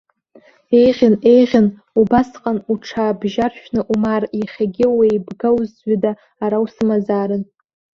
Еиӷьын, еиӷьын убасҟан уҽаабжьаршәны умаар, иахьагьы уеибгаузҩыда ара усымазаарын.